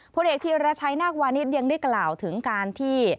ผู้เด็กที่ระชัยนากวานิสยังได้กล่าวถึงการที่